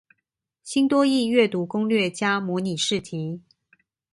新多益閱讀攻略加模擬試題